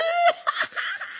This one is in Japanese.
ハハハハ！